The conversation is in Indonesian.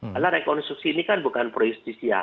karena rekonstruksi ini kan bukan pro justisia